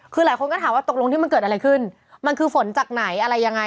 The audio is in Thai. คือหลายคนก็ถามว่าตกลงที่มันเกิดอะไรขึ้นมันคือฝนจากไหนอะไรยังไง